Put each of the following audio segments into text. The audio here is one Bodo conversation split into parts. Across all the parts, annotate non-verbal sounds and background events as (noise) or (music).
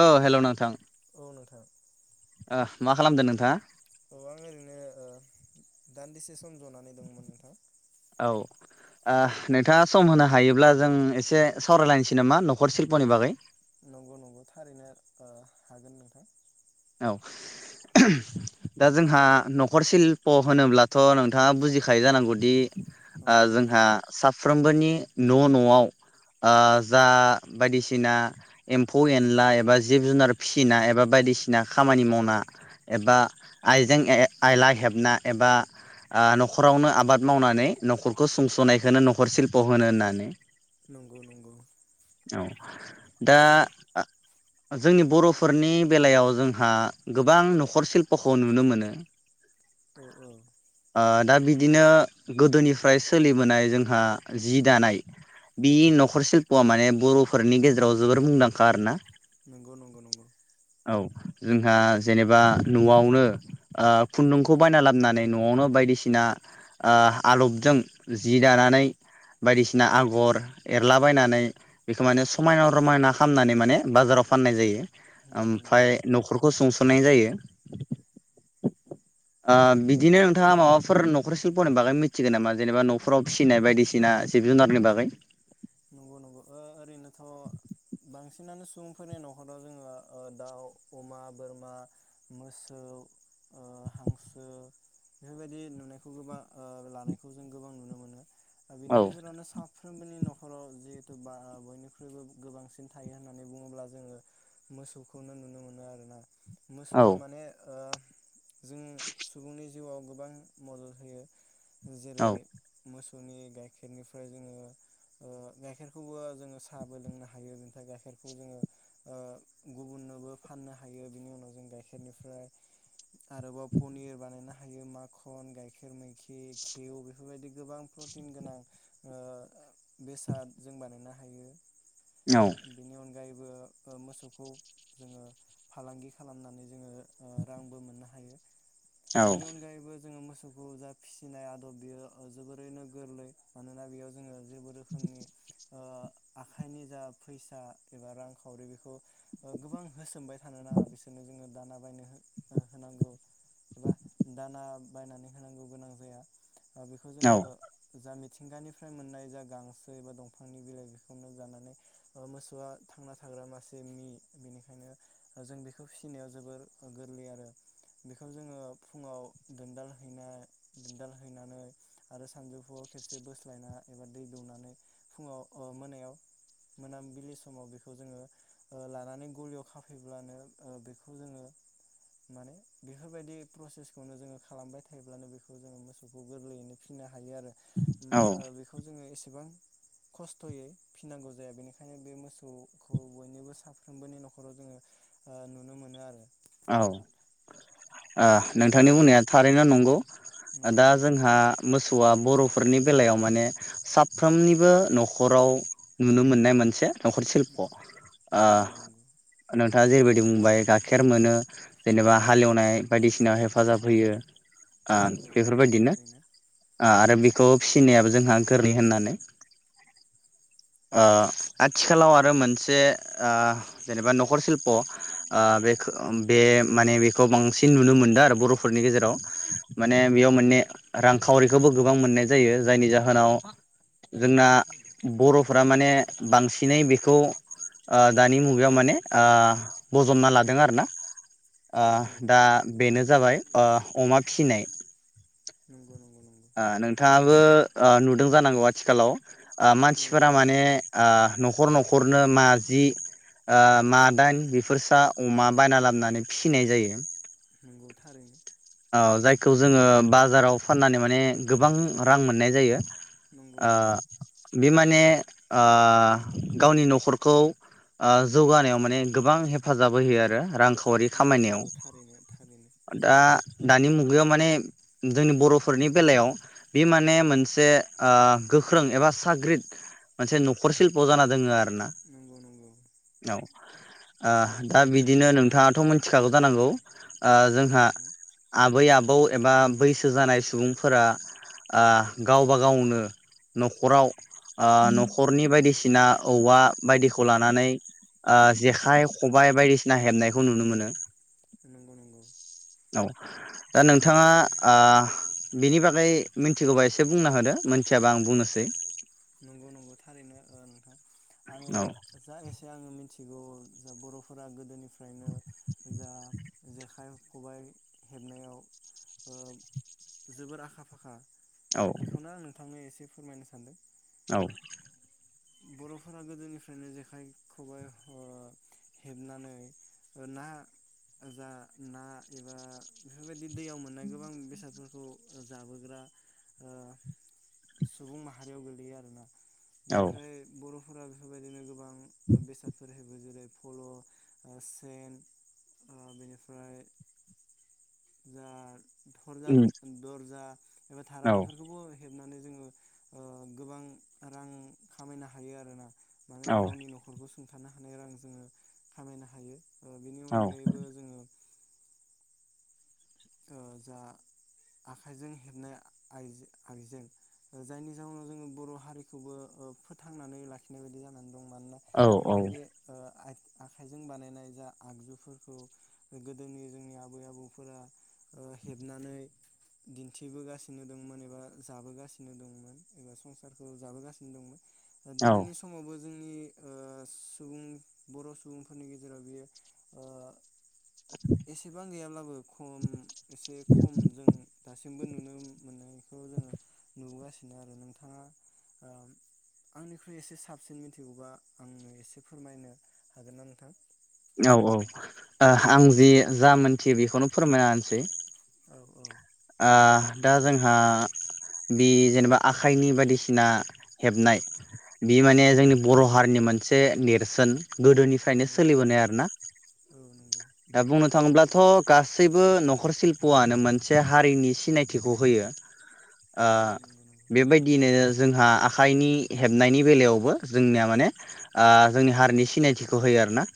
औ हेल' नोंथां औ नोंथां। ओ मा खालामदो नोंथाङा? अ आं इरिनो ओ दान्दिसे स सम ज'नानै दंमोन नोंथां। औ ओ नोंथाङा सम होनो हायोब्ला जों एसे सावरायलायनोसै नामा न'खर शिल्पनि बागै? नंगौ नंगौ थारैनो ओ हागोन नोंथां। औ (unintelligible) दा जोंहा न'खर शिल्प' होनोब्लाथ' नोंथाङा बुजिखायो जानांगौदि ओ नंगौ नंगौ। जोंहा साफ फ्रामबोनि न' न'आव ओ जा बायदिसिना एम्फौ एनला एबा जिब जुनार फिसिना एबा बायदिसि ना खामानि मावना, एबा आइजें आइला हेबना एबा न'खरावनो आबाद मावनानै न'खरखौ सुंस'नायखौनो न'खर सिल्प' होनो होननानै। नंगौ-नंगौ। औ। दा। जोंनि बर'फोरनि बेलायाव जोंहा गोबां न'खर सिल्प'खौ नुनो मोनो। औ औ आ दा बि बिदिनो गोदोनिफ्राय सोलिबोनाय जोंहा, जि दानाय बि न'खर शिल्पआ माने बर'फोरनि गेजेराव जोबोर मुंदांखा आरोना। नंगौ-नंगौ-नंगौ। औ जोंहा जेनेबा न'आवनो ओ खुन्दुंखौ बायना लाबोनानै न'आवनो बायदिसिना ओ आलबजों जि दानानै बायदिसिना आगर एरलाबायनानै बेखौ माने समायना रमायना खालामनानै माने बाजाराव फाननाय जायो नंगौ ओमफाय। नंगौ। न'खरखौ सुंसननाय जायो, ओ बिदिनो नोंथाङा माबाफोर न'खर शिल्प'नि बागै मिथिगोन नामा जेनेबा न'खराव फिसिनाय बायदिसिना जिब जुनारनि बागै। नंगौ-नंगौ ओरैनोथ' बांसिनानो सुबुंफोरनि न'खराव जोङो ओ दाउ अमा बोरमा मोसौ ओ हांसो बेफोरबायदि नुनायखौ गोबां ओ लानायखौ जों गोबां नुनो मोनो। ओ बिनि औ गेजेरावनो साफ्रोमबोनि न'ख। नख'राव जिहेथु बा बयनिख्रुइबो गोबांसिन थायो होननानै बुङोब्ला जोङो मोसौखौनो नुनो मोनो आरोना। औ मोसौआ माने ओ। जों सुबुंनि जिउआव गोबां मदद होयो। औ जेरै मोस सौनि गाइखेरनिफ्राय जोङो। ओ गाइखेरखौबो जोङो साहाबो लोंनो हायो ओ बेनिफ्राय गाइखेरखौ जोङो ओ गुबुननोबो फाननो हायो, बेनि उनाव जों गाइखेरनिफ्राय आरोबाव पनिर बानायनो हायो माखन गाइखेर मैखेर गिव बेफोरबायदि गोबां प्रटिन गोनां ओ। बेसाद जों बानायनो हायो। औ। अनगायबो मोसौखौ जोङो फालांगि खालामनानै जोङो। ओ रांबो मोननो हायो। औ बेनि अनगायैबो जोङो मोसो। मोसौखौ जा फिसिनाय आदब बेयो जोबोरैनो गोरलै मानोना बेयाव जोङो जे (unintelligible) आखाइनि जा फैसा एबा रांखावरि बेखौ गोबां होसोमबाय थानो नाङा बिसोरनो जोङो दाना बायनो होनांगौ एबा दाना बायनानै होनांगौ गोनां जाया। बेखौ औ जोङो जा मिथिंगानिफ्राय मोननाय जा गांसो। मोस एबा दंफांनि बिलाइ बेखौनो जानानै मोसौआ थांना थाग्रा मासे मि बेनिखायनो जों बेखौ फिसिनायाव जोबोर गोरलै आरो बेखौ जोङो फुङाव दोनदाल हैनाय दोनदाल हैनानै आरो सानजौफुआव खेबसे बोस्लायना एबा दै दौनानै। फुङाव मोनायाव मोनाबिलि समाव बेखौ जोङो लानानै गलियाव खाफैब्लानो बेखौ जोङो माने बेफोरबायदि प्रसेसखौनो जोङो खालामबाय थायोब्लानो बेखौ जोङो मोसौखौ गोरलैयैनो फिहिनो हायो आरो। औ बेखौ जोङो एसे बां खस्थ'यै फिनांगौ जाया बेनिखायनो बे मोसौखौ बयनिबो साफ्रोमबोनि न'खराव जोङो नुनो मोनो आरो। औ। बिनि नोंथांनि बुंनाया थारैनो नंगौ? दा नंगौ जोंहा मोसौ- गथ'आ बर'फोरनि बेलायाव माने साफ्रोमनिबो न'खराव नुनो मोननाय मोनसे। न'खर शिलप' ओ नंगौ नंगौ नों थाङा जिबायदि बुंबाय गाखेद मोनो जेनेबा हालेवनाय बायदिसिना हेफाजाब होयो। ओ औ औ बेफोरबायदिनो थारैनो ओ आरो बेखौ फिसिनायाबो जोंहा गोरलै होननानै ओ आथिखालाव आरो मोनसे ओ जेनेबा न'खर सिल्प औ बे खौ बे माने बेखौ बांसिन नुनो मोनदों आरो बर'फोरनि गेजेराव माने बेयाव माने रांखावरिखौबो गोबां मोननाय जायो जायनि जाहोनाव जोंना बर'फोरा माने बांसिनै बेखौ ओ दानि मुगायाव माने बजबना ला दों आरो ना ओ औ औ दा बेनो जाबाय ओ अमा फिसिनाय नंगौ नंगौ नंगौ ओ नोंथाङाबो नुदों जानांगौ आथिखालाव ओ औ मानसिफोरा औ माने ओ न' न'खर न'खरनो माजि ओ मादाइन बेफोरसा अमा बायना लाबोनानै फिसिनाय जायो। नंगौ थारैनो। औ जायखौ ओ जोङो बाजाराव फाननानै माने गोबां रां मोननाय जायो। नंगौ नंगौ ओ बे माने ओ गावनि न'खरखौ ओ जौगानायाव माने गोबां हेफाजाब होयो आरो रां खावरि औ औ खामायनायाव। थारैनो थारैनो दा दानि मुगायाव माने जोंनि बर'फोरनि बेलायाव बे माने मोनसे ओ गोख्रों एबा साग्रिद मोनसे न'खर सिल्प' जाना दोङो आरोना नंगौ नंगौ औ औ दा गोदो बिदिनो नोंथाङाथ' मोनथिखागौ जानांगौ ओ औ जोंहा नोंथां आबै आबौ एबा बैसो जानाय सुबुंफोरा ओ गावबा गावनो न'खराव ओ न'खरनि बायदिसिना औवा बायदिखौ लानानै ओ जेखाइ खबाइ बायदिसिना हेबनायखौ नुनो मोनो। नंगौ नंगौ औ दा नोंथाङा ओ बिनि बागै मिनथिगौबा एसे बुंना होदो मिथियाबा आं बुंनोसै। नंगौ नंगौ थारैनो नोंथां आङो औ जा एसे आङो मि थिगौ जा बर'फोरा गोदोनिफ्रायनो जा जेखाइ खबाइ हेबनायाव ओ जोबोर आखा फाखा औ बेखौनो आं नोंथांनो एसे एसे फोरमायनो सानदों औ बर'फोरा गोदोनिफ्रायनो जेखाइ खबाइ ओ हेबनानै ओ ना जा ना एबा बेफोरबायदि दैयाव मोननाय गोबां बेसादफोरखौ ओ जाबोग्रा ओ सुबुं माहारियाव गोलैयो आरोना औ बेनिफ्राय बर'फोरा बेफोरबायदिनो गोबां (inaudible) बेसादफोर होगोन जेरै- फल' ओ सेन ओ बेनिफ्राय जा धरजा दरजा एबा धारा औ बेफोरखौबो हेब नानै जोङो ओ गोबां रां खामायनो हायो आरो ना। माने औ गावनि न'खरखौ सुंथानो हानाय रां जोङो खामायनो हायो। ओ बिनि औ अनगायैबो जोङो ओ जा आखाइजों हेबनाय आइजो आइजें। ओ ायनि जाहोनाव जोङो बर' हारिखौबो ओ फोथांनानै लाखिनाय बायदि जानानै दं। मानोना औ बेफोरबायदि ओ आ आखाइजों बानायनाय जा आगजुफोरखौ गोदोनि जोंनि आबै आबौफोरा ओ हेबनानै दिन्थिबोगासिनो दोंमोन एबा जाबोगासिनो दोंमोन एबा संसारखौ जाबोगासिनो दोंमोन। औ दिनैनि समावबो जोंनि ओ सुबुं बर' सुबुंफोरनि गेजेराव बेयो ओ एसेबां गैयाब्लाबो खम एसे खम जों दासिमबो नुनो मोनो। बेखौ जोङो नुबोगासिनो आरो नोंथाङा ओ आंनिख्रुइ एसे साबसिन मिथिगौबा आंनो एसे फोरमायनो हागोन ना नोंथां? औ औ आं ओ जि जा मोनथियो बेखौनो फोरमायना होनोसै। औ औ। दा जोंहा बि जेनेबा आखाइनि बायदिसिना हेबनाय बि माने जोंनि बर' हारिनि मोनसे नेरसोन। गोदोनिफ्रायनो नंगौ नंगौ सोलिबोनाय आ ना औ नंगौ दा बुंनो थाङोब्लाथ' गासैबो न'खर सिल्प'आनो मोनसे हारिनि सिनायथिखौ होयो। ओ औ नंगौ बेबायदिनो जोंहा आखाइनि हेबनायनि बेलायावबो जोंनिया माने ओ जोंनि हारिनि सिनायथिखौ होयो आरोना।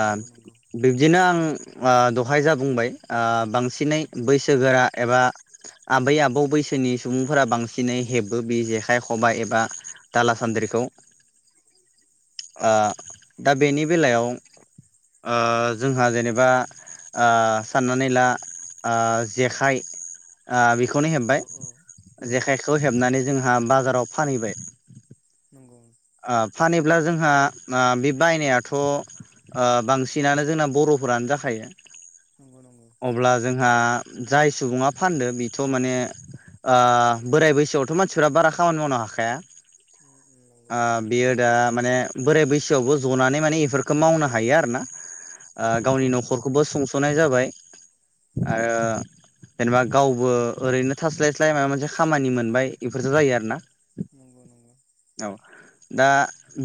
आ नंगौ नंगौ बिब्दिनो आं आ दहाय जा बुंबाय आ बांसिनै बैसोगोरा एबा आबै आबौ बैसोनि सुबुंफोरा बांसिनै हेबो बे जेखाइ खबाय एबा दाला सान्द्रिखौ। ओ दा बेनि बेलायाव ओ जोंहा जेनेबा आ साननानै ला आ जेखाइ आ बे खौनो औ हेबबाय औ औ जेखायखौ हेबनानै जोंहा बाजाराव फानहैबाय। नंगौ। आ फानहैब्ला जोंहा मा बे बायनायाथ' ओ बांसिनानो जोंना बर'फोरानो जाखायो। नंगौ नंगौ अब्ला जोंहा जाय सुबुङा फानदो बेथ' माने आ बोराय बैसोआवथ' मानसिफ्रा बारा खामानि मावनो हाखाया। उम उम नंगौ आ बियो दा माने बोराय बैसोआवबो जनानै माने इफोरखो मावनो हायो आरो ना। आ औ औ गावनि न'खरखौबो नंगौ सुंस'नाय जाबाय। आरो जेनेबा गावबो ओरैनो थास्लाय स्लाय माबा मोनसे खामानि मोनबाय इफोरसो जायो आरो ना। नंगौ नंगौ। औ। दा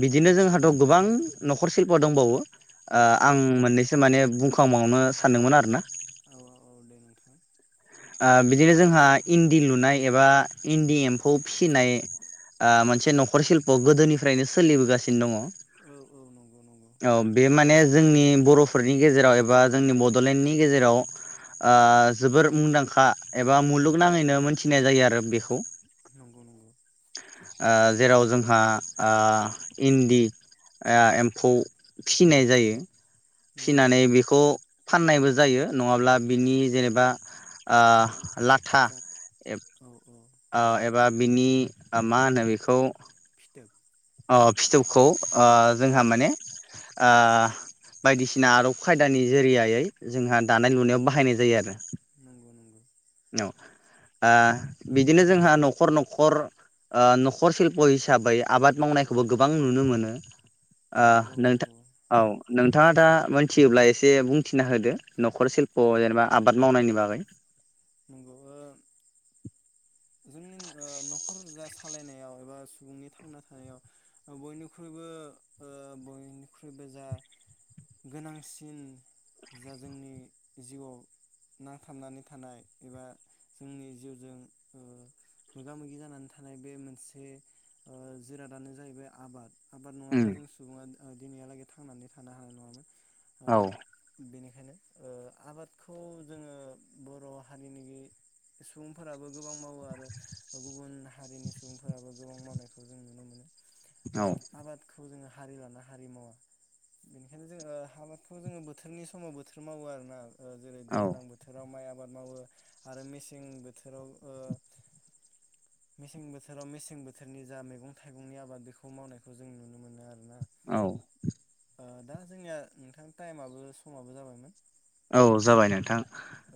बिदिनो जोंहाथ' गोबां न'खर सिल्प दंबावो। ओ औ आं औ मोननैसो माने बुंखाबावनो सानदोंमोन आरोना। औ औ दे नोंथां आ बिदिनो जोंहा इन्दि लुनाय एबा इन्दि एम्फौ फिसिनाय आ मोनसे न' खर शिल्प गोदोनिफ्रायनो सोलिबोगासिनो दङ'। औ (inaudible) बे माने जोंनि बर'फोरनि गेजेराव एबा जोंनि बड'लेण्डनि गेजेराव जोबोर मुंदांखा एबा मुलुगनाङैनो मोनथिनाय जायो आरो बेखौ नंगौ नंगौ (inaudible) आ जेराव जोंहा ओ इन्दि एम्फौ फिसिनाय जायो नंगौ फिनानै नंगौ बेखौ फाननायबो जायो नङाब्ला बिनि जेनेबा ओ लाथा जा औ औ एबा बिनि मा होनो बेखौ (inaudible) अ फिथ खौ ओ औ औ जोंहा माने ओ बायदिसिना आदब खायदानि जोरियायै जोंहा दानाय लुनायाव बाहायनाय जायो आरो (inaudible) औ औ बिदिनो जोंहा न'खर न'खर औ न'खर सिल्प हिसाबै आबाद मावनायखौबो गोबां नुनो मोनो औ ओ औ नोंथां नंगौ औ नोंथाङा दा मोनथियोब्ला एसे बुंथिना होदो न'खरशिल्प' जेनेबा आबाद मावनायनि बागै (inaudible) जोंनि ओ न'खर जा सालायनायाव एबा सुबुंनि थांना थानायाव बयनिख्रुइबो बयनिख्रुइबो जा गोनांसिन जा जोंनि जिउआव नांथाबनानै थानाय एबा जोंनि जिउजों मोगा मोगि जानानै (inaudible) (inaudible) औ (inaudible) (inaudible) (inaudible) (inaudible) (inaudible) हारि औ लाना हारि मावा बेनिखायनो ओ जोङो हाबादखौ जोङो बोथोरनि समाव बोथोर मावो आरोना औ (inaudible) आबाद मावो आरो मेसें बोथोराव ओ मेसें बोथोराव मेसें बोथोरनि जा मैगं थाइगंनि आबाद बेखौ मावनायखौ जों नुनो मोनो आरो औ ओ दा जोंनिया नोंथां टाइमाबो समाबो जाबायमोन औ जाबाय नोंथां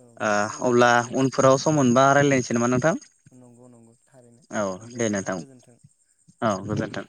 औ नोंथांजों अब्ला रायलायनानै जोबोर उनफोराव सम गोजोननाय मोनबा मोनबाय रायज्लायनोसै नामा नोंथां (inaudible) औ दे नोंथां औ गोजोन्थों